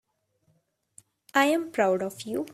I'm proud of you.